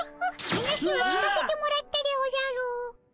話は聞かせてもらったでおじゃる。